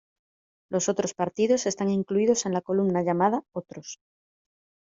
Los otros partidos están incluidos en la columna llamada "Otros".